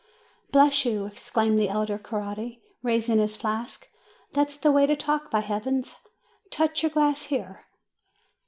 "Bless you!" exclaimed the elder Coretti, raising his flask ; "that's the way to talk, by Heavens ! Touch your glass here!